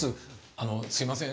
あのすいません。